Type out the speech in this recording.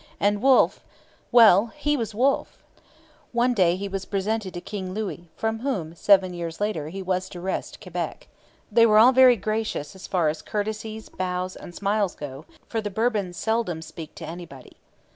And Wolfe well, he was Wolfe! One day he was presented to King Louis, from whom, seven years later; he was to wrest Quebec. 'They were all very gracious as far as courtesies, bows, and smiles go, for the Bourbons seldom speak to anybody.'